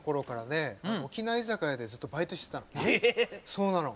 そうなの。